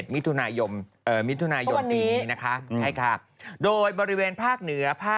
มิถุนายมปีนี้นะคะ